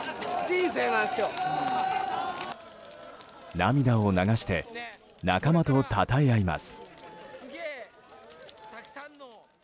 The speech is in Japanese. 涙を流して仲間とたたえ合います。